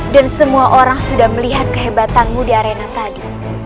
dan semua orang sudah melihat kehebatanmu di arena tadi